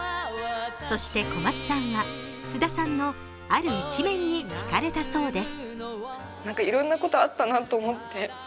そして小松さんは、菅田さんのある一面にひかれたそうです。